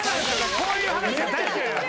こういう話が大嫌い。